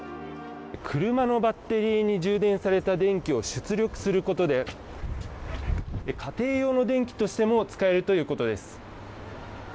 車のバッテリーに充電された電気を出力することで家庭用の電気としても使えるということです。